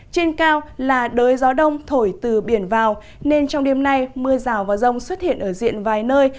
trên cao là đới gió đông thổi từ biển vào nên trong đêm nay mưa rào và rông xuất hiện ở diện vài nơi